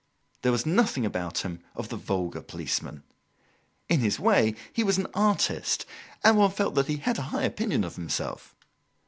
There was nothing about him of the vulgar policeman. In his way, he was an artist, and one felt that he had a high opinion of himself.